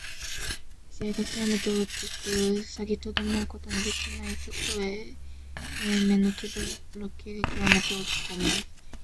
威勢がきわめて大きく防ぎとめることのできないたとえ。雷鳴のとどろきがきわめて大きく重い。